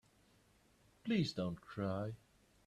Please don't cry.